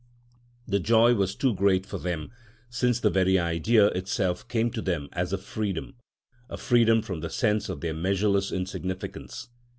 The joy was too great for them, since the very idea itself came to them as a freedom—a freedom from the sense of their measureless insignificance.